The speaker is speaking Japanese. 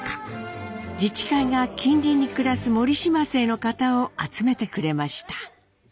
自治会が近隣に暮らす「もりしま」姓の方を集めてくれました。